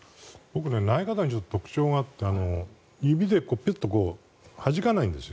僕、投げ方に特徴があって指でピュッとはじかないんです。